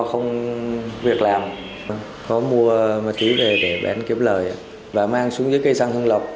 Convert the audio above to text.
không việc làm có mua ma túy về để bán kiếm lời và mang xuống dưới cây xăng hưng lộc